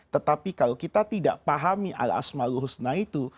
tetapi kalau kita tidak pahami al asma'ul husna itu